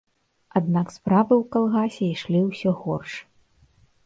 Аднак справы ў калгасе ішлі ўсё горш.